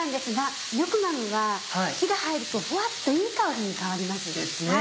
ニョクマムは火が入るとふわっといい香りに変わります。